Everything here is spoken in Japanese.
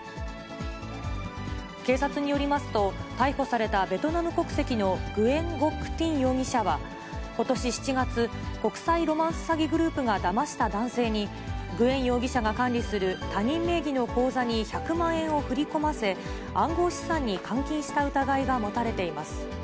警察によりますと、逮捕された、ベトナム国籍のグエン・ゴック・ティン容疑者は、ことし７月、国際ロマンス詐欺グループがだました男性に、グエン容疑者が管理する他人名義の口座に１００万円を振り込ませ、暗号資産に換金した疑いが持たれています。